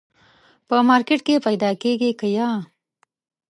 په مارکېټ کي پیدا کېږي که یه ؟